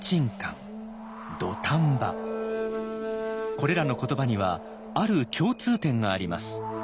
これらの言葉にはある共通点があります。